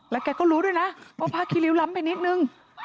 แกก็รู้ด้วยนะว่าผ้าคีริ้วล้ำไปนิดนึง